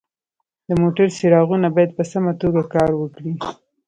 د موټر څراغونه باید په سمه توګه کار وکړي.